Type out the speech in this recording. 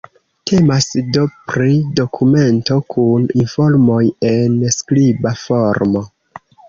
Temas do pri dokumento kun informoj en skriba formo.